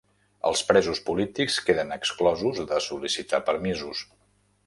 Els presos polítics queden exclosos de sol·licitar permisos